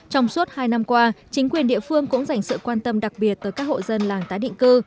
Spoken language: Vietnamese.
trong suốt hai năm qua chính quyền địa phương cũng dành sự quan tâm đặc biệt tới các hộ dân làng tái định cư